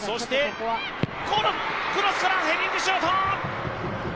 クロスからヘディングシュート！